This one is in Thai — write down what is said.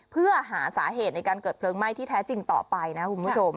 เพื่อหาสาเหตุในการเกิดเพลิงไหม้ที่แท้จริงต่อไปนะคุณผู้ชม